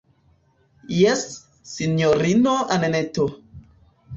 Jes, sinjorino Anneto.